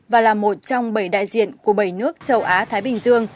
và là một trong bảy đại diện của bảy nước châu á thái bình dương